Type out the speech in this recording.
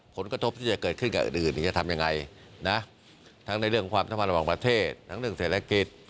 ผลกระทบที่จะเกิดขึ้นกับอื่นจะทำยังไงนะทั้งในเรื่องความสัมพันธ์ระหว่างประเทศทั้งเรื่องเศรษฐกิจ